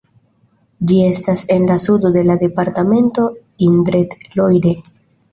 Ĝi estas en la sudo de la departemento Indre-et-Loire.